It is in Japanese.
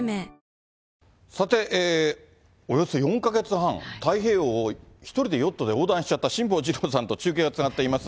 このあと、太平洋を１人でヨットで横断しちゃった、辛坊治郎さんと中継がつながっています。